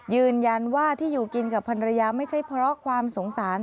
ยืนยันว่าที่อยู่กินกับภรรยาไม่ใช่เพราะความสงสาร